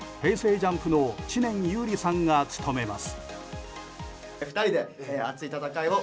ＪＵＭＰの知念侑李さんが務めます。